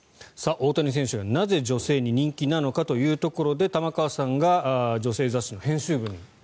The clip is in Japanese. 大谷選手がなぜ女性に人気なのかというところで玉川さんが女性雑誌の編集部に行って。